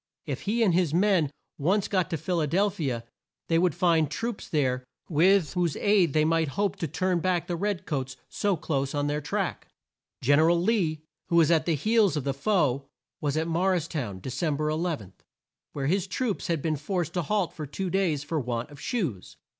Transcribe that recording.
If he and his men once got to Phil a del phi a, they would find troops there with whose aid they might hope to turn back the red coats so close on their track. Gen er al Lee, who was at the heels of the foe, was at Mor ris town, De cem ber 11, where his troops had been forced to halt for two days for want of shoes.